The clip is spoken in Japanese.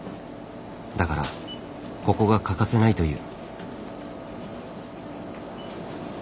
だからここが欠かせないという。